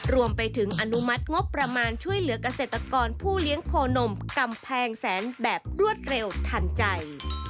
รวมไปถึงอนุมัติงบประมาณช่วยเหลือกเกษตรกรผู้เลี้ยงโคนมกำแพงแสนแบบรวดเร็วทันใจ